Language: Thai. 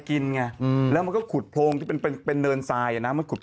กินกันเองคือหมายถึงเพื่อนมันตายแล้วใช่ป่ะ